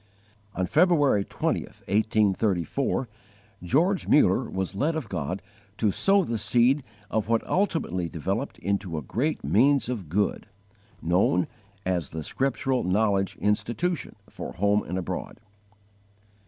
On February 20, 1834, George Muller was led of God to sow the seed of what ultimately developed into a great means of good, known as "The Scriptural Knowledge Institution, for Home and Abroad."